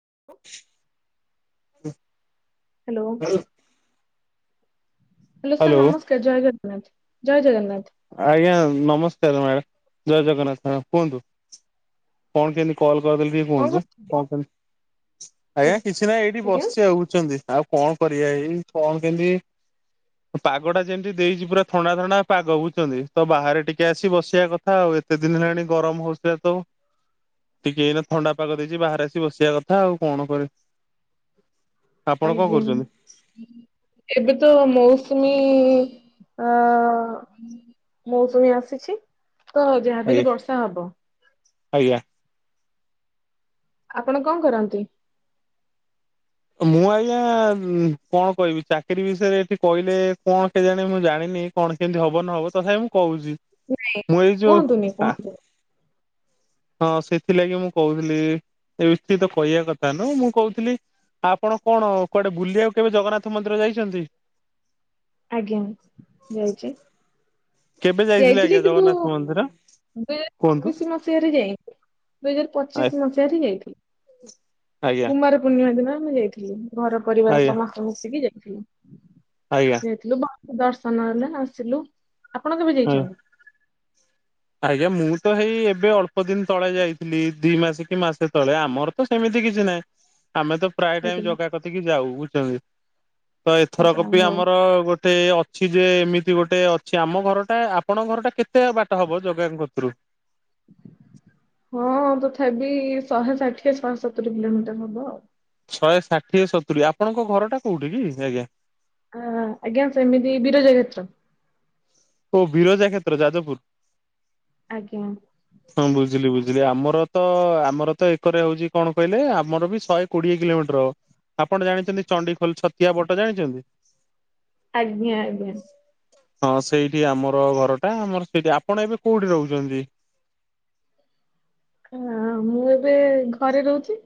[inaudible] Hello. Hello sir hello ନମସ୍କାର ଜୟ ଜଗନ୍ନାଥ ଜୟ ଜଗନ୍ନାଥ। ଆଜ୍ଞା ନମସ୍କାର ମେଡ ଜୟ ଜଗନ୍ନାଥ ମେଡ କୁହନ୍ତୁ। କଣ କେନ୍ତି କଲ କରିଦେଲେ କି କଣ କୁହନ୍ତୁ କରୁ କଣ କରି, ଆ ଆଜ୍ଞା କିଛି ନାହିଁ ଏଇଠି ଆଜ୍ଞା ବସିଚି ଆଉ ବୁଝୁଛନ୍ତି ଆଉ। କଣ କରିବା ଏଇ କଣ କେମିତି ପାଗ ଟା ଯେମିତି ଦେଇଛି ପୁରା ଥଣ୍ଡା ଥଣ୍ଡା ପାଗ ବୁଝ ଚନ୍ତି ତ ବାହାରେ ଟିକେ ଆସି ବସିବା କଥା ଆଉ। ଏତେ ଦିନ ହେଲାଣି ଗରମ ହଉଚି ଯେହେତୁ ଟିକେ ଏଇନା ଥଣ୍ଡା ପାଗ ଦେଇଚି, ବାହାରେ ଆସି ବସିବା କଥା ଆଉ କଣ କରେ ଆପଣ କଣ ଆଜ୍ଞା କରୁଛନ୍ତି? ଏବେ ତ ମୌସୁମୀ ହୁଁ ତ ମୌସୁମୀ ଆ ଆସୂଚୀ ଓ ହୋ ଯାହା ବି ଆଜ୍ଞା ହେଲେ ବର୍ଷା ହବ। ଆଜ୍ଞା। ଆପଣ କଣ କରନ୍ତି? ମୁଁ ଆଜ୍ଞା କଣ କହିବି ଚାକିରି ବିଷୟରେ ଏଠି କହିଲେ କଣ କେଜାଣେ ମୁଁ ଜାଣିନି ନି କଣ କେମିତି ହବ ନହବ ତଥାପି ମୁଁ କହୁଚି ମୁଁ ଏଇ ଯୋଉ କୁହନ୍ତୁନି କୁହନ୍ତୁ ହଁ ସେଥିଲାଗି ମୁଁ କହୁଥିଲି ଏସ୍ଟି ତ କହିବା କଥା ନୁହଁ ମୁଁ କହୁଥିଲି। ଆପଣ କଣ କୁଆଡେ ବୁଲିବାକୁ କେବେ ଜଗନ୍ନାଥ ମନ୍ଦିର ଯାଇଛନ୍ତି? ଆଜ୍ଞା ଯାଇଚି। କେବେ ଯାଇଥିଲେ ଆଜ୍ଞା ଜଗନ୍ନାଥ ମନ୍ଦିର? ଦୁଇ ହଜାର କୁହନ୍ତୁ ଚବିଶି ମସିହାରେ ଯାଇଥିଲି ଦୁଇ ହଜାର ଆ ପଚିଶ ମସିହାରେ ଯାଇଥିଲି। ଆଜ୍ଞା କୁମାର ପୂର୍ଣ୍ଣିମା ଦିନ ଆମେ ଯାଇଥିଲୁ ଘର ପରିବାର ଆଜ୍ଞା ସମସ୍ତେ ମିଶିକି ଯାଇଥିଲୁ। ଆଜ୍ଞା ଯାଇଥିଲୁ ବାକୁ ଦର୍ଶନ ହେଲେ ଆସିଲୁ ଆପଣ କେବେ ହଁ। ଯାଇଛନ୍ତି ଆଜ୍ଞା ମୁଁ ତ ହେଇ ଏବେ ଅଳ୍ପ ଦିନ ତଳେ ଯାଇଥିଲି ଦି ମାସ କି ମାସେ ତଳେ ଆମର ତ ସେମିତି ମିତି କିଛି ନାଇଁ ଆମେ ତ ପ୍ରାୟ ଟାଇମ ଆଜ୍ଞା। ଜଗା କତିକି ଯାଉ ବୁଝୁଚନ୍ତି। ତ ଯା ଏଥରକ ବି ହଉ ଆମର ଗୋଟେ ଅଛି ଯେ ଏମିତି ଗୋଟେ ଅଛି ଆମ ଘରଟା ଆପଣ ଘରଟା କେତେ ବାଟ ଟା ହବ ଜଗାଙ୍କ କତିରୁ। ହଁ ତଥାପି ଶହେ ଷାଠିଏ ଶହେ ସତୁରି କିଲୋମିଟର ହବ ଆଉ। ଶହେ ଷାଠିଏ ସତୁୁରି ଆପଣଙ୍କ ଘର ଟା କୋଉଠି କି ଆଜ୍ଞା? ହ ଆଜ୍ଞା ସେମିତି ବିରଜା କ୍ଷେତ୍ର। ଓ ବିରଜା କ୍ଷେତ୍ର ଯାଜପୁର। ଆଜ୍ଞା। ବୁଝିଲେ ଆମର ତ ଆମର ତ ଏକରେ ହଉଚି କଣ କହିଲେ ଆମର ବି ଶହେ କୋଡିଏ କିଲୋମିଟର। ଆପଣ ଜାଣିଚନ୍ତି ଚଣ୍ଡିଖୋଲ ଛତିଆ ଭଟ ଜାଣିଛନ୍ତି? ଆଜ୍ଞା ଆଜ୍ଞା। ହଁ ସେଇ ସେଠି ଆମର ଘରଟା ଆମର ସେଠି ଆପଣ ଏବେ କୋଉଠି ରହୁଚନ୍ତି? ଆ ମୁଁ ଏବେ ଘରେ ରହୁଚି।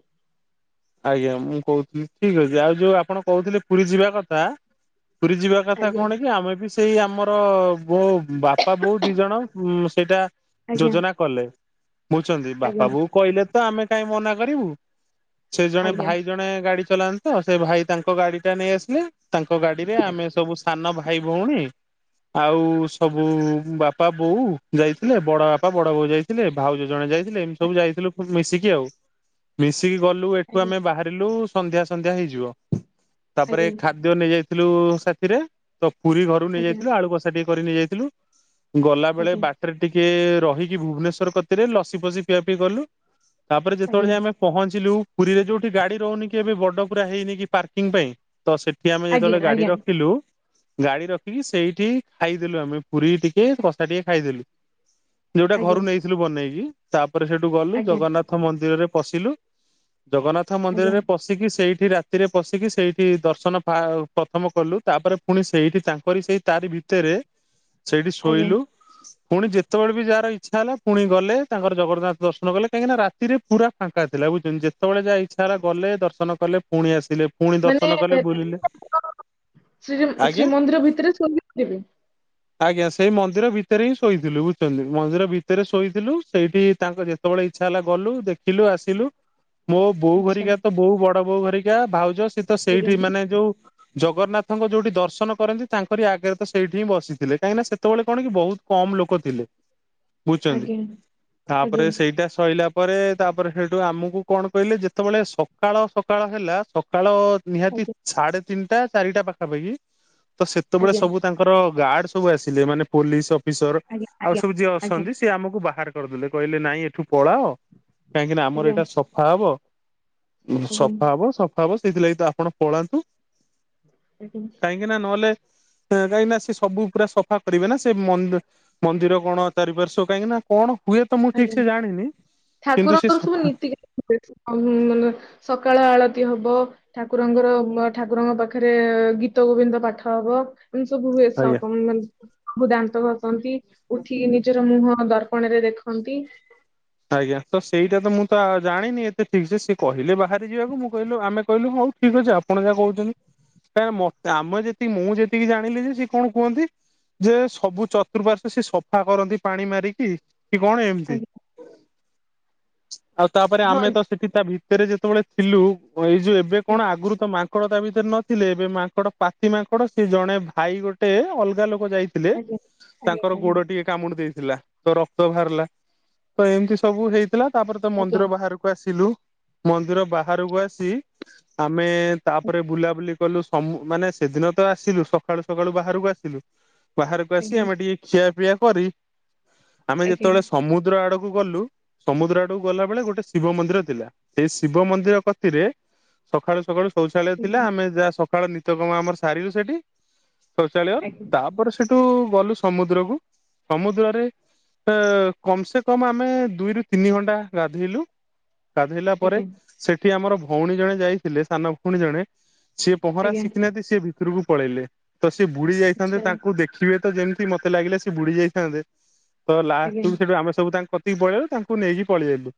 ଆଜ୍ଞା ମୁଁ କହୁଥିଲି ଠିକ ଅଛି, ଆଉ ଯୋଉ ଆପଣ କହୁଥିଲେ ପୁରୀ ଯିବା କଥା ପୁରୀ ଯିବା କଥା ଆଜ୍ଞା କଣ କି ଆମେ ବି ସେଇ ଆମର ବୋଉ ବାପା ବୋଉ ଦି ଜଣ ସେଇଟା ଆଜ୍ଞା ଯୋଜନା କଲେ। ବୁଝଛନ୍ତି ବାପା ଆଜ୍ଞା ବୋଉ କହିଲେ ତ ଆମେ କାଇଁ ମନା କରିବୁ ସେ ଜଣେ ଆଜ୍ଞା। ଭାଇ ଜଣେ ଗାଡି ଚଲାନ୍ତି ତ ସେ ଭାଇ ତାଙ୍କ ଗାଡି ଟା ନେଇ ଆସିଲେ ତାଙ୍କ ଗାଡିରେ ଆମେ ସବୁ ସାନ ଭାଇ ଭଉଣୀ ଆଉ ସବୁ ବାପା ବୋଉ ଯାଇଥିଲେ, ବଡ ବାପା ବଡ ବୋଉ ଯାଇଥିଲେ, ଭାଉଜ ଜଣେ ଯାଇଥିଲେ ଏମିତି ସବୁ ଯାଇଥିଲୁ ମିଶିକି ଆଉ। ମିଶିକି ଗଲେ ଗଲୁ ଏଠୁ ଆଜ୍ଞା ଆମେ ବାହାରିଲୁ ସନ୍ଧ୍ୟା ସନ୍ଧ୍ୟା ହେଇଯିବ। ତାପରେ ଆଜ୍ଞା ଖାଦ୍ୟ ନେଇଯାଇ ଥିଲୁ ସାଥିରେ ତ ପୁରୀ ଘରକୁ ଆଜ୍ଞା ନେଇଯାଇଥିଲୁ ଆଳୁ କଷା ଟିକେ କରି ନେଇ ଯାଇଥିଲୁ। ଗଲା ବେଳେ ଆଜ୍ଞା ବାଟରେ ଟିକେ ରହିକି ଭୁବନେଶ୍ଵର କତିରେ ଲସି ଫସି ପିଆ ପିଇ କଲୁ। ତାପରେ ଯେତେବେଳେ ଆଜ୍ଞା ଆମେ ପହଞ୍ଚିଲୁ ପୁରୀରେ ଯୋଉଠି ଗାଡି ରହୁନି କି ଏବେ ବଡ ପୁରା ହେଇନି କି ପାର୍କିଂ ପାଇଁ। ତ ସେଠି ଆମେ ଯେତେବେଳେ ଆଜ୍ଞା ଆଜ୍ଞା ଗାଡି ରଖିଲୁ ଗାଡି ରଖିକି ସେଇଠି ଖାଇଦେଲୁ ଆମେ ପୁରୀ ଟିକେ କଷା ଟିକେ ଖାଇଦେଲୁ। ଯୋଉଟା ଆଜ୍ଞା। ଘରୁ ନେଇଥିଲୁ ବନେଇକି, ତାପରେ ସେଇଠୁ ଗଲୁ ଆଜ୍ଞା ଜଗନ୍ନାଥ ମନ୍ଦିରରେ ପଶିଲୁ। ଜଗନ୍ନାଥ ଆଜ୍ଞା ମନ୍ଦିରରେ ପଶିକି ସେଇଠ ସେଠି ରାତିରେ ପଶିକି ସେଇଠି ଦର୍ଶନ ପା ପ୍ରଥମ କଲୁ ତାପରେ ପୁଣି ସେଇଠି ତାଙ୍କରି ସେଇ ତାରି ଭି ଭିତରେ ସେଇଠି ଆଜ୍ଞା ଶୋଇଲୁ। ପୁଣି ଯେତେବେଳେ ବି ଯାହାର ଇଚ୍ଛା ହେଲା ପୁଣି ଗଲେ ତାଙ୍କର ଜଗନ୍ନାଥ ଦର୍ଶନ କଲେ କାହିଁକି ନା ରାତିରେ ପୁରା ଫାଙ୍କା ଥିଲା। ଭାବୁଛନ୍ତି ଯେତେବେଳେ ଯାହା ଇଚ୍ଛା ହେଲା ଗଲେ ଦର୍ଶନ କଲେ ପୁଣି ଆସିଲେ। ପୁଣି ଦର୍ଶନ କଲେ ବୁଲିଲେ ଶ୍ରୀଜଗ, ଆଜ୍ଞା ଶ୍ରୀମନ୍ଦିର ଭିତରେ ଶୋଇପାରିବେ? ଆଜ୍ଞା ସେଇ ମନ୍ଦିର ଭିତରେ ହିଁ ଶୋଇଥିଲୁ। ବୁଝୁଛନ୍ତି ମନ୍ଦିର ଭିତରେ ଶୋଇଥିଲୁ ସେଇଠି ତାଙ୍କ ଯେତେବେଳେ ଇଚ୍ଛା ହେଲା ଗଲୁ, ଦେଖିଲୁ, ଆସିଲୁ। ମୋ ବୋଉ ଆଚ୍ଛା ଘରିକା ତ ବୋଉ ବଡ ବୋଉ ଘରିକା ଭାଉଜ ସେ ତ ଆଜ୍ଞା ସେଇଠି ମାନେ ଯୋଉ ଜଗନ୍ନାଥଙ୍କ ଯୋଉଠୀ ଦର୍ଶନ କରନ୍ତି ତାଙ୍କରି ଆଗରେ ତ ସେଇଠି ହିଁ ବସିଥିଲେ। କାହିଁକିନା ସେତେବେଳେ କଣ କି ବହୁତ କମ ଲୋକ ଥିଲେ। ବୁଝୁଛନ୍ତି, ଆଜ୍ଞା ଆଜ୍ଞା ତାପରେ ସେଇଟା ସରିଲା ପରେ ତାପରେ ସେଇଠୁ ଆମକୁ କଣ କହିଲେ ଯେତେବେଳେ ସକାଳ ସକାଳ ହେଲା ସକାଳ ନିହାତି ଆଜ୍ଞା ସାଢ଼େ ତିନି ଟା ଚାରିଟା ପାଖାପାଖି ତ ସେତେବେଳେ ସବୁ ଆଜ୍ଞା ତାଙ୍କର ଗାର୍ଡ ସବୁ ଆସିଲେ ମାନେ ପୋଲିସ ଅଫିସର ଆଜ୍ଞା ଆଜ୍ଞା ଆଉ ଆଜ୍ଞା। ସବୁ ଯିଏ ଆଜ୍ଞା ଅଛନ୍ତି ସି ଆମକୁ ବାହାର କରିଦେଲେ। କହିଲେ ନାଇଁ ଏଠୁ ପଳାଅ କାହିଁକି ନା ଆମର ଆଜ୍ଞା ଏଇଟା ସଫା ହବ, ଆଜ୍ଞା ସଫା ହବ, ସଫା ହବ ସେଥିଲାଗି ତ ଆପଣ ପଳାନ୍ତୁ ଆଜ୍ଞା କାହିଁକି, ନ ନହେଲେ କାହିଁକି ନା ସେ ସବୁ ପୁରା ସଫା କରିବେ ନା ସେି ମନ୍ଦିର କଣ ଚାରିପାର୍ଶଵ କାହିଁକି ନା କଣ ହୁଏ ତ ମୁଁ ଠିକ ଆଜ୍ଞା ସେ ଜାଣିନି କିନ୍ତୁ ସେ ଠାକୁରଙ୍କର ସବୁ ସଫା ନୀତି ମାନେ ସକାଳ ଆଳତି ହବ ଠାକୁରଙ୍କର ଠାକୁରଙ୍କ ପାଖରେ ଗୀତ ଗୋବିନ୍ଦ ପାଠ ହବ। ସବୁ ହୁଏ ଆଜ୍ଞା ସବୁ ଦାନ୍ତଘସନ୍ତି ଉଠିକି ନିଜର ମୁହଁ ହଁ ଦର୍ପଣ ରେ ଦେଖ ଆଜ୍ଞା ତ ସେଇଠି ଏଇଟ ତ ମୁଁ ତ ଜାଣିନି ଏତେ ଠିକ୍ ସେ କହିଲେ ବାହାରେ ଯିବାକୁ ମୁଁ କହିଲ ଆମେ କହିଲୁ ହଉ ଠିକ ଅଛି ଆପଣ ଯାହା କହୁ ମ ଆମେ ଯେତିକି ମୁଁ ଯେତିକି ଜାଣିଲି ଯେ ସେ କଣ କୁହନ୍ତି ଯେ ସବୁ ଚତୁର୍ଃପାର୍ଶ୍ଵ ସ ସେ ସଫା କରନ୍ତି ପାଣି ମାରିକି। କଣ ଏମିତି, ଆଜ୍ଞା ଆଉ ତାପରେ ଆମେ ହଁ ତ ସେଠି ତା ଭୂ ଭିତରେ ଯେତେବେଳେ ଥିଲୁ ଏଇ ଯୋଉ ଏବେ କଣ ଆଜ୍ଞା ଆଗରୁ ତ ମା ଙ୍କଡ ତା ଭିତରେ ନଥିଲେ ଏବେ ମାଙ୍କଡ ପାତି ମାଙ୍କଡ ସେ ଜଣେ ଭାଇ ଗୋଟେ ଅଲଗା ଲୋକ ଯାଇଥିଲେ ଆଜ୍ଞା ଆଜ୍ଞା ତାଙ୍କର ଆଜ୍ଞା ଗୋଡ ଟିକେ କାମୁଡି ଦେଇଥିଲା ତ ରକ୍ତ ବାହାରିଲା, ତ ଏମିତି ସବୁ ହେଇଥିଲା ତାପରେ ତ ଆଜ୍ଞା ମନ୍ଦିର ବାହାରକୁ ଆସିଲୁ। ମନ୍ଦିର ବାହାରକୁ ଆସି ଆମେ ତାପରେ ବୁଲାବୁଲି କଲୁ। ସମ ମାନେ ସେଦିନ ତ ଆସିଲୁ ସକାଳୁ ସକାଳୁ ବାହାରକୁ ଆସିଲୁ। ବାହାରକୁ ଆସି ଆଜ୍ଞା ଆମେ ଟିକେ ଖିଆପିଆ କରି, ଆମେ ଆଜ୍ଞା ଯେତେବେଳେ ଆଜ୍ଞା ସମୁଦ୍ର ଆଡକୁ କୁ ଗଲୁ ସମୁଦ୍ର ଆଡୁକୁ ଗଲା ବେଳେ ଗୋଟେ ଶିବ ମନ୍ଦିର ଥିଲା। ସେଇ ଶିବ ମନ୍ଦିର କତିରେ ସକାଳୁ ସକାଳୁ ଶୌଚାଳୟ ଥିଲା ଆମେ ଯାହା ସକାଳ ନିତ୍ୟକର୍ମ ଆମର ସାରିଲୁ ସେଇଠି ଶୌଚାଳୟରେ। ଆଜ୍ଞା ତା ପରେ ସେଉଠୁ ଗଲୁ ସମୁଦ୍ରକୁୁ। ସମୁଦ୍ରରେ ଏଁ କମ୍ ସେ କମ୍ ଆମେ ଦୁଇରୁ ତିନି ଘଣ୍ଟା ଗାଧେଇଲୁ। ଗାଧେଇଲା ଆଜ୍ଞା ପରେ ଆଚ୍ଛା ସେଇଠି ଆମର ଭଉଣୀ ଜଣେ ଯାଇଥିଲେ ସାନ ଭଉଣୀ ଜଣେ ସିଏ ପହଁରା ଆଜ୍ଞା ଶିଖିନାହାନ୍ତି, ସିଏ ଭିତୁରୁକୁ ପଳେଇଲେ। ତ ସିଏ ବୁଡି ଆଜ୍ଞା ଆଜ୍ଞା ଯାଇଥାନ୍ତେ ତାଙ୍କୁ ଦେଖିବେ ତ ଯେମିତି ମତେ ଲାଗିଲା ସେ ବୁଡି ଯାଇଥାନ୍ତେ, ତ ଲାଷ୍ଟକୁୁ ସେଉଠୁ ଆମେ ସବୁ ତାଙ୍କ କତ୍ ତିକି ପଳେଇଲୁ ତାଙ୍କୁ ନେଇକି ପଳେଇ ଆଇଲୁ।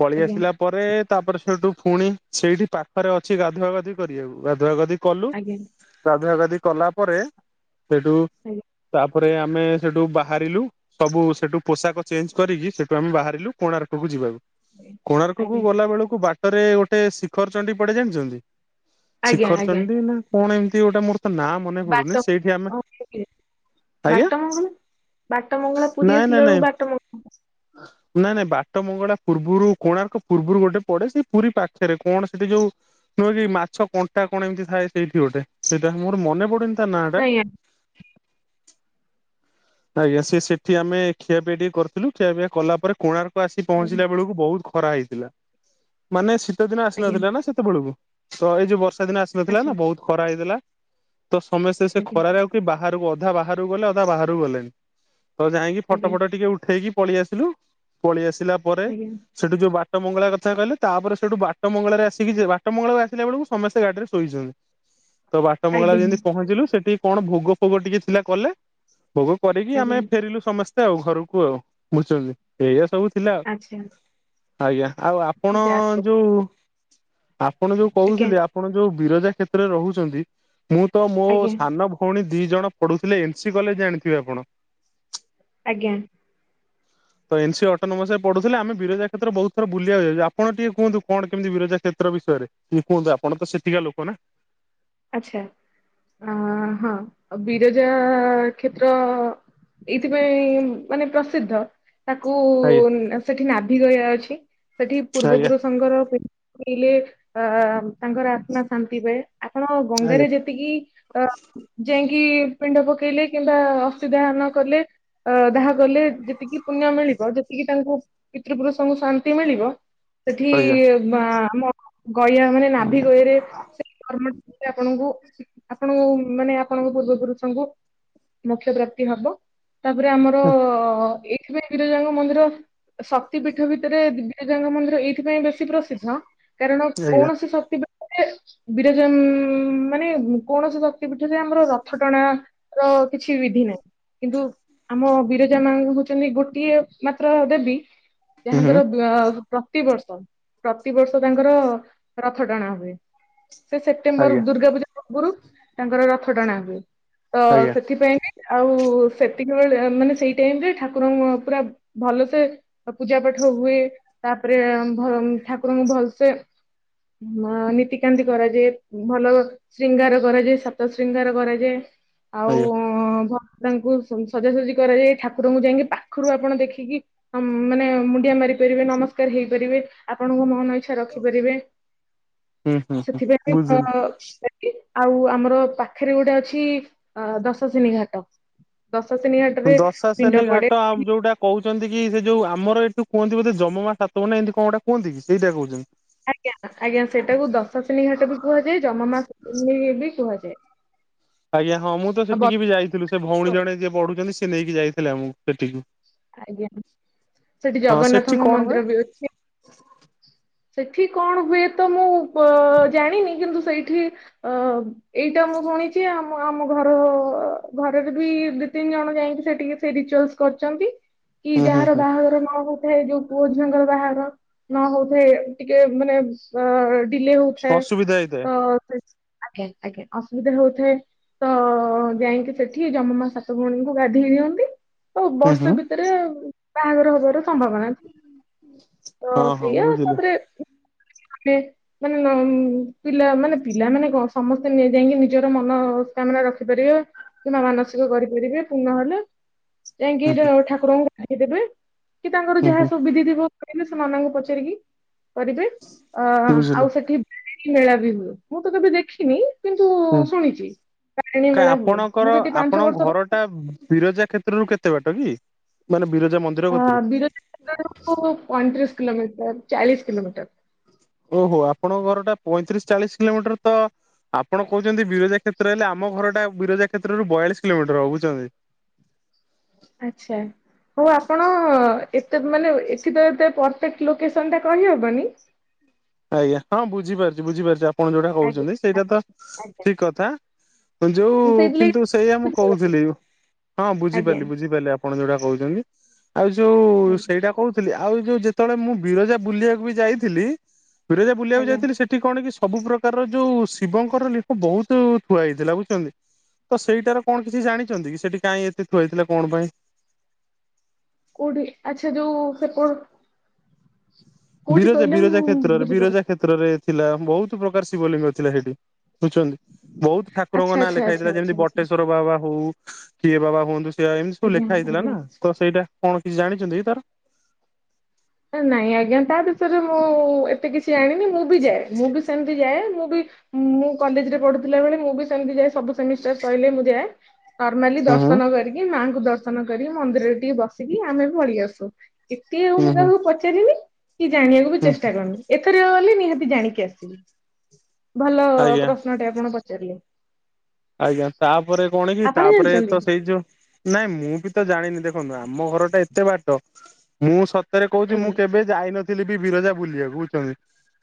ପଳେଇ ଆସିଲା ପରେ ତା ପରେ ସେଉଠୁ ଫୁଣି ସେଇଠି ପାଖରେ ଅଛି ଗାଧୁଆ ଗାଧୋଇ କରିବାକୁ। ଗାଧୁଆ ଗାଧି କଲୁ। ଆଜ୍ଞା ଆଜ୍ଞା ଆଜ୍ଞା ଗାଧୁଆ ଗାଧି କଲା ପରେ ସେଉଠୁ, ତା ପରେ ଆମେ ସେଉଠୁ ବାହାରିଲୁ ସବୁ ସେଉଠୁ ପୋଷାକ ଚେଞ୍ଜ କରିକି, ସେଉଠୁ ଆମେ ବାହାରିଲୁ କୋଣାର୍କକୁ ଯିବାକୁ। କୋଣାର୍କକୁ ଗଲା ବେଳୁକୁ ବାଟରେ ଗୋଟେ ଶିଖର ଚଣ୍ଡୀ ପଡେ ଜାଣିଛନ୍ତି? ଆଜ୍ଞା ଶିଖର ଆଜ୍ଞା ଚଣ୍ଡୀ ନା କଣ ଏମିତି ଗୋଟେ ମୋର୍ ତା ନାଁ ମନେ ବାଟ ପଡୁନି, ସେଇଠି ଆମେ ଓକେ ଆଜ୍ଞା? ବାଟମଙ୍ଗଳା ବାଟମଙ୍ଗଳା ପୁରୀ ନାଇଁ ନାଇଁ ଆସିଲା ନାଇଁ ବେଳକୁ ବାଟମଙ୍ଗ୍ ନାଇଁ ନାଇଁ ବାଟମଙ୍ଗଳା ପୂର୍ବୁରୁ କୋଣାର୍କ ପୂର୍ବୁରୁ ଗୋଟେ ପଡେ ସେଇ ପୁରୀ ପାଖେରେ କଣ ସେଇଠି ଯୋଉ ନୁହଁ କି ମାଛ କଣ୍ଟା କଣ ଏମିତି ଥାଏ ସେଇଠି ଗୋଟେ, ସେଇଟା ମୋର ମନେ ପଡୁନି ତା ନାଁ ଟା? ନାଇଁ ଆଜ୍ଞା ସେ ସେଠି ଆମେ ଖିଆ ପିଆ ଟିକେ କରିଥିଲୁ। ଖିଆ ପିଆ କଲା ପରେ କୋଣାର୍ ମୁଁ ଆସି ପହଞ୍ଚିଲା ବେଳୁକୁ ବହୁତ ଖରା ହେଇଥିଲା। ମାନେ ଶୀତ ଦିନ ଆଜ୍ଞା ଆଜ୍ଞା ଆସିନଥିଲା ନା ସେତେବେଳୁକୁ। ତ ଏଇ ଯୋଉ ବର୍ଷା ଦିନ ଆସିନଥିଲା ଆଚ୍ଛା ନା, ବହୁତ ଖରା ହେଇଥିଲା। ତ ସମସ୍ତେ ସେ ଆଜ୍ଞା ଖରାରେ ଆଉ କିଏ ବାହାରୁକୁ ଅଧା ବାହାରୁକୁ ଗଲେ ଅଧା ବାହାରୁକୁ ଗଲେନି। ତ ଯାଇକି ଫଟ ଆଜ୍ଞା ଫଟ ଟିକେ ଉଠେଇକି ପଳେଇ ଆସିଲୁ। ପଳେଇ ଆସିଲା ପରେ ଆଜ୍ଞା ସେଉଠୁ ଯୋଉ ବା ବାଟ ମଙ୍ଗଳା କଥା କହିଲେ ତା ପରେ ସେଇଠୁ ବାଟ ମଙ୍ଗଳାରେ ଆସିକି ଯେ, ବାଟ ମଙ୍ଗଳାକୁ ଆସିଲା ବେଳୁକୁ ସମସ୍ତେ ଗାଡିରେ ଶୋଇଛନ୍ତି। [inaudible] ତ ବାଟ ଆଜ୍ଞା ମଙ୍ଗଳାରେ ଯେମିତି ପହଞ୍ଚିଲୁ ସେଇଠି କଣ ଭୋଗ ଫୋଗ ଟିକେ ଥିଲା କଲେ। ଭୋଗ କରିକି ଆମେ ଆଜ୍ଞା ଫେରିଲୁ ସମସ୍ତେ ଆଉ ଘରୁକୁ ଆଉ ବୁଝୁଛନ୍ତି। ଏଇଆ ସବୁ ଥିଲା ଆଉ। ଆଚ୍ଛା। ଆଜ୍ଞା ଆଉ ଆପଣ ଯାହା ହଉ ଯୋଉ ଆପଣ ଯୋଉ ଆଜ୍ଞା କହୁଥିଲେ ଆପଣ ଯୋଉ ବିରଜା କ୍ଷେତ୍ରରେ ରହୁଛନ୍ତି। ମୁଁ ତ ମୋ ଆଜ୍ଞା ସାନ ଭଉଣୀ ଦି ଜଣ ପଢୁଥିଲେ ଏନ୍ସି କଲେଜ ଜାଣିଥି ଥିବେ ଆପଣ? ଆଜ୍ଞା। ତ ଏନ୍ସି ଅଟନୋମସରେ ପଢୁଥିଲେ ଆମେ ବିରଜା କ୍ଷେତ୍ର ବହୁତଥର ବୁଲିଆକୁ ଯାଇଛୁ। ଆପଣ ଟିକେ କୁହନ୍ତୁ କଣ କେମିତି ବିରଜା କ୍ଷେ ତ୍ର ବିଷୟରେ ନି କୁହନ୍ତୁ ଆପଣ ତ ସେଇଠିକା ଲୋକ ନା। ଆଚ୍ଛା ଆଁ ହଁ ଆଉ ବିରଜା ଆଃ କ୍ଷେତ୍ର ଏଇଥିପାଇଁ ମାନେ ପ୍ରସିଦ୍ଧ ତାକୁ ଆଜ୍ଞା ସେଇଠି ନାଭି ଗୟା ଅଛି। ସେଇଠି ଆଜ୍ଞା ପୂର୍ବପୁରୁଷଙ୍କର ପି ପଇଲେ ଆଃମ୍ ତାଙ୍କର ଆତ୍ମା ଶାନ୍ତି ପାଏ। ଆ ଆପଣ ଆଜ୍ଞା ଗଙ୍ଗାରେ ଯେତିକି ଆଁ ଯାଇଁ କି ପିଣ୍ଡ ପକେଇଲେ କିମ୍ବା ଅସ୍ଥି ଦାନ କଲେ ଅଁ ଦାହ କଲେ ଯେତିକି ପୁଣ୍ୟ ମିଳ୍ ଳିବ ଯେତିକି ତାଙ୍କୁ ପିତୃପୁରୁଷଙ୍କୁ ଶାନ୍ତି ମିଳିବ ସେଇଠି ଆଜ୍ଞା ଆଁ ଆମ ଗୟା ମାନେ ନାଭି ଗୟାରେ ସେ କର୍ମ ଟା ଆପଣଙ୍କୁ ଆପଣଙ୍କୁ ମାନେ ଆପଣଙ୍କ ପୂର୍ବ ପୁରୁଷଙ୍କୁ ମୋକ୍ଷ ପ୍ରାପ୍ତି ହବ। ତା ପରେ ଆମର ଏଇ ଏଥିପାଇଁ ବିରଜାଙ୍କ ମନ୍ଦିର ଶକ୍ତି ପୀଠ ଭିତେରେ ଦିବ୍ ବିରଜାଙ୍କ ମନ୍ଦିର ଏଇଥିପାଇଁ ବେଶୀ ପ୍ରସିଦ୍ଧ କାରଣ ଆଜ୍ଞା କୌଣସି ଶକ୍ତି ପୀଠରେ ବିରଜା ଉଁ ମାନେ କୌଣସି ଶକ୍ ତି ପୀଠରେ ଆମର ରଥ ଟଣାର କିଛି ବିଧି ନାହିଁ। କିନ୍ତୁ ଆମ ବିରଜା ମାଆ ହଉଛନ୍ତି ଗୋଟିଏ ମାତ୍ର ଦେବୀ ହୁଁ ଯାହାଙ୍କର ହୁଁ ବ୍ୟ ପ୍ର ତିବର୍ଷ ପ୍ରତିବର୍ଷ ତାଙ୍କର ରଥ ଟଣା ହୁଏ। ସେ ସେ ସେପ୍ଟେମ୍ବର ଆଜ୍ଞା ଦୁର୍ଗା ପୂଜା ପୂର୍ବରୁ ତାଙ୍କର ରଥ ଟଣା ହୁଏ। ତ ଆଜ୍ଞା ସେଥିପାଇଁ ଆଉ ସେତିକିବେଳେ ମାନେ ସେଇ ଟାଇମ ରେ ଠାକୁରଙ୍କ ପୁରା ଭଲସେ ପୂଜାପାଠ ଠ ହୁଏ ତାପରେ ଭମ୍ ଠାକୁରଙ୍କୁ ଭଲସେ ମା ନୀତିକାନ୍ତି କରାଯାଏ। ଭଲ ଶ୍ରୀଙ୍ଗାର କରାଯାଏ। ସାତ ଶ୍ରୀଙ୍ଗାର କରାଯାଏ। ଆଉ ଆଜ୍ଞା ଅଁ ଧ ତାଙ୍କୁ ସଂ ସଜାସଜି କରାଯାଏ। ଠାକୁରଙ୍କୁ ଯାଇକି ପାଖରୁ ଆପଣ ଦେଖିକି ଅଂ ମାନେ ମୁଣ୍ଡିଆ ମାରି ପାରିବେ ନମସ୍କାର ହେଇପାରିବେ। ଆପଣଙ୍କ ମନ ଏଛ୍ ଇଛା ରଖିପାରିବେ ହୁଁ ହୁଁ ହୁଁ ସେଥିପାଇଁ ବି ବୁଝିଲି। [unintelligible] ଆଉ ଆମର ପାଖରେ ଗୋଟେ ଅଛି ଅ ଦଶଶିନୀ ଘାଟ। ଦଶଶିନୀ ଘାଟ ରେ ପିଣ୍ଡ ପଡେ। ଚନ୍ତି କି ସେ ଯୋଉ ଆମର ଏଠୁ କୁହନ୍ତି ବୋଧେ ଜମମା ସାତ ମାନେ ଏମତି କଣ ଗୋଟା କୁହନ୍ତି କି ସେଇଟା କହୁଚନ୍ତି। ଆଜ୍ଞା ଆଜ୍ଞା ସେଇଟାକୁ ଦଶାଶିନୀ ଘାଟ ବି କୁହାଯାଏ ଜମମା ସାତ ବି କୁହାଯାଏ। ଆଜ୍ଞା ହଁ ମୁଁ ତ ଆଉ ସେଠିକି ବଳଦ ବି ଯାଇଥିଲୁ ସେ ଭଉଣୀ କୁହାଯାଏ। ଜଣେ ଯିଏ ପଢୁଛନ୍ତି ସେ ନେଇକି ଯାଇଥିଲେ ଆମକୁ ସେଠିକି। ଆଜ୍ଞା ସେଠି ଜଗନ୍ନାଥଙ୍କ କଣ ହୁଏ ମନ୍ଦିର ବି ଅଛି। ସେଠି କଣ ହୁଏ ତ ମୁଁ ପ ଜାଣିନି କିନ୍ତୁ ସେଇଠି ଅ ଏଇଟା ମୁଁ ଶୁଣିଚି ଆମ ଆମ ଘରର ଘରେରେ ବି ଦି ତିନି ଜଣ ଯାଇକି ସେଠିକେ ସେ ରିଚୁଆଲସ୍ କରିଚନ୍। ଛନ୍ତି କି ହୁଁ ହୁଁ ଯାହାର ବାହାଘର ନ ହଉଥାଏ ଯୋଉ ପୁଅ ଝିଅଙ୍କର ବାହାଘର ନ ହଉଥାଏ ଟିକେ ମାନେ ସ ଏ ଡିଲେ ହୁଁ ହଉଥାଏ ଅସୁବିଧା ହେଇଥାଏ ତ ସେ ଆଜ୍ଞା ଆଜ୍ଞା ଅସୁବିଧା ହଉଥାଏ। ତ ଯାଇକି ସେଠି ଜମମା ସାତ ଭଉଣୀଙ୍କୁ ଗାଧେଇ ଦିଅନ୍ତି। ଓ ହୁଁ ବର୍ଷେ ହୁଁ ଭିତରେ ବାହାଘର ହବାର ସମ୍ଭାବନା। ଥାଏ। ହଁ ହଁ ବୁଝିଲି। ଆମେ ମାନ ପିଲା ମାନେ ପିଲାମାନେ କଁ ସମସ୍ତେ ମେ ଯାଇକି ନିଜର ମନ କାମନା ରଖିପାରିବେ କିମ୍ବା ମାନସିକ କରିପାରିବେ ପୂର୍ଣ୍ଣ ହେଲେ ଯାଇଁକି ହୁଁ ଯ ହୁଁ ଠାକୁରଙ୍କୁ ପାଠେଇଦେବେ କି ତାଙ୍କର ହୁଁ ଯାହା ହୁଁ ସବୁ ବିଧି ଥିବ କାଇଁକିନା ସେ ନନାଙ୍କୁ ପଚାରିକି କରିବେ ଅ ଆ ବୁଝିଲି ଆଉ ସେଠି ମେଳା ବି ହୁଏ ମୁଁ ତ କେବେ ଦେଖିନି କିନ୍ତୁ ଶୁଣିଚି। କାଁ ଆପଣଙ୍କର ଆପଣଙ୍କ ଘର ରହିଲି ଟା ବିରଜା କ୍ଷେତ୍ରରୁ କେତେ ବାଟ କି? ମାନେ ବିର ଅ ବିରଜା କ୍ଷେତ୍ରଠାରୁ ପଇଁତିରିଶ କିିଲୋମିଟର ଚାଳିଶ କିିଲୋମିଟର। ଓହୋ ଆପଣଙ୍କ ଘର ଟା ପଇଁତିରିଶ ଚାଳିଶ କିଲୋମିଟର ତ। ଆପଣ କହୁଚନ୍ତି ବିରଜା କ୍ଷେତ୍ର ହେଲେ ଆମ ଘରଟା ବିରଜା କ୍ଷେତ୍ରରୁ ବୟାଳିଶ କିଲୋମିଟର ହବ ବୁଝୁଚନ୍ତି। ଆଚ୍ଛା। ହଉ ଆପଣ ଏତେ ମାନେ ଏଠି ତ ଏତେ ପରଫେକ୍ଟ ଲୋକେସନ ଟା କହିହବନି। ଆଜ୍ଞା ହଁ ବୁଝିପାରୁଚି ବୁଝିପାରୁଚି ଆପଣ ଯୋଉଟା ଆଜ୍ଞା କହୁଚନ୍ତି ସେଇଟା ତ ଆଜ୍ଞା। ଠିକ କଥା। ଯୋଉ ମୁଁ ସେଇଥିଲାଗି କିନ୍ତୁ ସେଇଆ ମୁଁ ବୁଝିପାରୁନି। କହୁଥିଲି ହଁ ଆଜ୍ଞା ବୁଝିପାରିଲି ବୁଝିପାରିଲି ଆପଣ ଯୋଉଟା କହୁଚନ୍ତି ଆଉ ଯୋଉ ଆଜ୍ଞା। ସେଇଟା କହୁଥିଲି ଆ ଆଉ ଯୋଉ ଯେତବେଳେ ମୁଁ ବିରଜା ବୁଲିବାକୁ ବି ଯାଇଥିଲି। ବିରଜା ବୁଲିଆକୁ ଆଜ୍ଞା ଯାଇଥିଲି ସେଠି କଣ କି? ସବୁ ପ୍ରକାରର ଯୋଉ ଶିବଙ୍କର ଲିଖ ବହୁତ ଥୁଆ ହେଇଥିଲା ବୁଝୁଚନ୍ତି। ତ ସେଇଟାରେ କଣ କିଛି ଜାଣିଚନ୍ତି କି ସେଠି କାଇଁ ଏତେ ଥୁଆ ହେଇଥିଲା କଣ ପାଇଁ? କୋଉଠି ଆଚ୍ଛା ଯୋଉ ସେ ପୋ ବିରଜା ବିରଜା କ୍ଷେତ୍ରରେ ବୁଝିପାରୁନି। ବିରଜା କ୍ଷେତ୍ରରେ ଥିଲା ବହୁତ ପ୍ରକାର ଶିବଲିଙ୍ଗ ଥିଲା ସେଇଠି। ବୁଝୁଚନ୍ତି ବହୁତ ଆଚ୍ଛା ଠାକୁରଙ୍କ ନାଁ ଆଚ୍ଛା ଲେଖା ଆଚ୍ଛା ହେଇଥିଲା ଆଚ୍ଛା ଯେମିତି ଆଚ୍ଛା ବଟେଶ୍ଵର ବାବା ହଉ କି ଏ ବାବା ହୁଅନ୍ତୁ। ତେଆଇମସ୍ ଆଜ୍ଞା ଟ୍ରୁସଲେଖା ହେଇଥିଲା ଆଜ୍ଞା। ନା ତ ସେଇଟା କଣ କିଛି ଜାଣିଚନ୍ତି ତାର। ଏ ନାଇଁ ଆଜ୍ଞା ତା ବିଷୟରେ ମୁଁ ଏତେ କିଛି ଜାଣିନି। ମୁଁ ବି ଯାଏ। ମୁଁ ବି ସେମିତି ଯାଏ। ମୁଁ [unintelligible] ମୁଁ କଲେଜ ରେ ପଢୁଥିଲା ବେଳେ ମୁଁ ବି ସେମିତି ଯାଏ ସବୁ ସେମିଷ୍ଟାର ସଇଲେ ମୁଁ ଯାଏ। ନର୍ମାଲି ହୁଁ ହୁଁ ଦର୍ଶନ କରିକି ମାଙ୍କୁ ଦର୍ଶନ କରି ମନ୍ଦିରରେ ଟିକେ ବସିକି ଆମେ ପଳେଇ ଆସୁ। ଏତିକ ଆଉ ମୁଁ ହୁଁ ହୁଁ। କାହାକୁ ପଚାରିନି କି ଜାଣିବାକୁ ବି ହୁଁ ଚେଷ୍ଟା କରନି। ଏଥର ଗଲେ ନିହାତି ଜାଣିକି ଆସିବି। ଭଲ ଆଜ୍ଞା ପ୍ରଶ୍ନଟେ ଆପଣ ପଚାରିଲେ। ଆଜ୍ଞା ତାପରେ କଣ କି ଆପଣ ତାପରେ ଜାଣିଛନ୍ତି ତ ସେଇ ଯୋଉ ନାଇଁ ମୁଁ ବି ତ ଜାଣିନି ଦେଖନ୍ତୁ ଆ ମୋ ଘର ଟା ଏତେ ବାଟ ମୁଁ ସତରେ କହୁଛି ମୁଁ ଆଜ୍ଞା କେବେ ଯାଇନଥିଲି ଥିଲି ବି ବିରଜା ବୁଲିବାକୁ ବୁଝଛନ୍ତି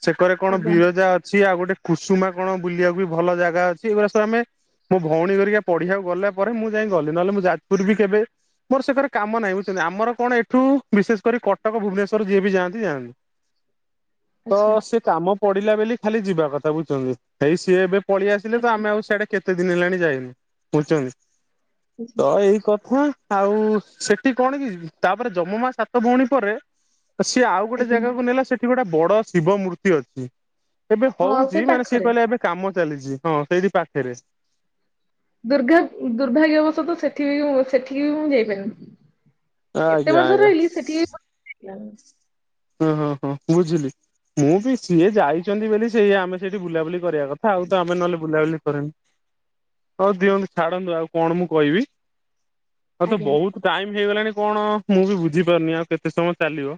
ସେକରେ କଣ ଆଜ୍ଞା ବିରଜା ଅଛି ଆଉ ଗୋଟେ କୁସୁମା କଣ ବୁଲିବାକୁ ବି ଭଲ ଜାଗା ଅଛି। ଏଗୁଡା ସବୁ ଆମେ ମୋ ଭଉଣୀ ଘରିକା ପଢିବାଆକୁ ଗଲା ପରେ ମୁଁ ଯାଇ ଗଲି। ନହେଲେ ମୁଁ ଯାଜପୁର ବି କେବେ ମୋର ସେକରେ କାମ ନାହିଁ ଆମର କଣ ଏଠୁ ବିଶେଷ କରି କଟକ ଭୁବନେଶ୍ଵର ଯିଏ ବି ଯାଆନ୍ତି ଯାଆନ୍ତି। [inaudible] ତ ଆଚ୍ଛା ସିଏ କାମ ପଡିଲା ବୋଲି ଖାଲି ଯିବା କଥା ବୁଝୁଛନ୍ତି ଏହି ସିଏ ଏବେ ପଳେଇ ଆସିଲେ ତ ଆଚ୍ଛା ଆମେ ଆଉ ସେଇଆଡା କେତେ ଦିନ ହେଲାଣି ଯାଇନୁ ବୁଝୁଛନ୍ତି ଆଚ୍ଛା ତ ଏଇ କଥା। ଆଉ ସେଠି କଣ କି ତାପରେ ଯମ ମା ସାତ ଭଉଣୀ ପରେ ତ ସିଏ ଆଉ ଗୋଟେ ଆଜ୍ଞା ଜାଗାକୁ ନେଲା ସେଠି ଗୋଟେ ବଡ ଶିବ ମୂର୍ତ୍ତି ଅଛି। ଏବେ ହଁ ସେ ହଉଛି ମାନେ ସିଏ ପାଖରେ କହିଲେ ଏବେ କାମ ଚାଲିଛି ହଁ ସେଇଠି ପାଖରେ। ଦୁର୍ଘ ଦୁର୍ଭାଗ୍ୟ ବସତ ସେଠି ସେଠିକି ବି ମୁଁ ଯାଇପାରିନି। ଏତେ ଆଜ୍ଞା ବର୍ଷ ଆଜ୍ଞା। ରହିଲି ସେଠି ହଁ, ହଁ, ହଁ ବୁଝିଲି। ମୁଁ ବି ସିଏ ଯାଇଛନ୍ତି ବୋଲି ସେଇ ଆମେ ସେଇଠି ବୁଲାବୁଲି କରିବା କଥା ଆଉ ତ ଆମେ ନହେଲେ ବୁଲାବୁଲି କରେନି। ହଉ ଦିଅନ୍ତୁ ଛାଡନ୍ତୁ ଆଉ କଣ ମୁଁ କହିବି। ଆଉ ତ ଆଜ୍ଞା। ବହୁତ ଟାଇମ ହେଇଗଲାଣି କଣ ମୁଁ ବି ବୁଝିପାରୁନି ଆଉ କେତେ ସମୟ ଚାଲିବ।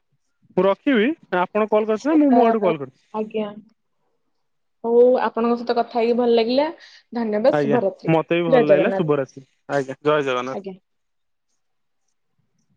ମୁଁ ରଖିବି ଆପଣ କଲ୍ କରିଥିଲେ ନା ମୁଁ ମୋ ଆଡୁ ଆଚ୍ଛା କଲ୍ କରିଛି। ଆଜ୍ଞା ହଉ ଆପଣଙ୍କ ସହିତ କଥା ହେଇକି ଭଲ ଲାଗିଲା। ଧନ୍ୟବାଦ ଆଜ୍ଞା ଶୁଭରାତ୍ରୀ ମତେ ବି ଭଲ ଜୟ ଲାଗିଲା ଶୁଭରାତ୍ରି ଆଜ୍ଞା ଜୟ ଜଗନ୍ନାଥ। ଜଗନ୍ନାଥ ଆଜ୍ଞା। [inaudible]